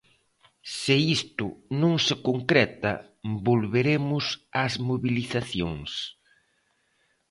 Se isto non se concreta, volveremos ás mobilizacións.